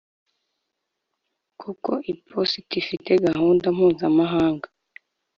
kuko iposita ifite gahunda mpuzamahanga.